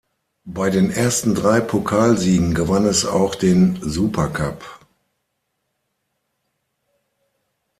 Bei den ersten drei Pokalsiegen gewann es auch den Supercup.